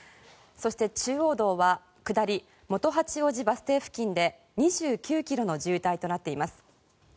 そして、中央道は下り、元八王子バス停付近で２９ｋｍの渋滞となっています。